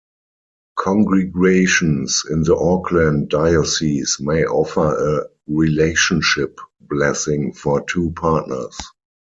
Congregations in the Auckland Diocese may offer a 'relationship blessing' for two partners.